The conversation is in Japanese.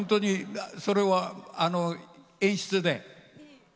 それは演出で。